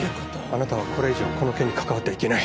あなたはこれ以上この件に関わってはいけない。